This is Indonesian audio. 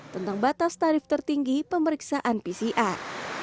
tentang batas tarif tertinggi pemeriksaan pcr